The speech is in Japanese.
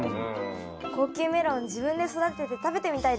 高級メロン自分で育てて食べてみたいです。